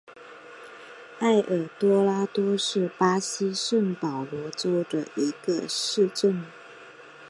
埃尔多拉多是巴西圣保罗州的一个市镇。